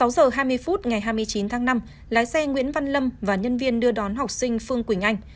sáu giờ hai mươi phút ngày hai mươi chín tháng năm lái xe nguyễn văn lâm và nhân viên đưa đón học sinh phương quỳnh anh